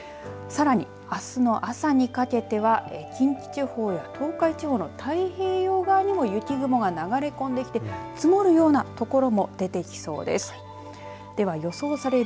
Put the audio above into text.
さらに、あすの朝にかけては近畿地方や東海地方の太平洋側にも雪雲が流れ込んできて積もるような所も出てきそうです。